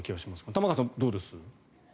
玉川さん、どうです？